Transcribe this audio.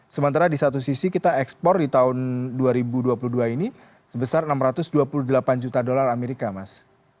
sementara di satu sisi kita ekspor di tahun dua ribu dua puluh dua ini sebesar enam ratus dua puluh delapan juta dolar amerika mas